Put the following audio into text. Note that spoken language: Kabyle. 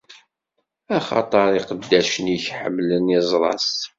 Axaṭer iqeddacen-ik ḥemmlen iẓra-s.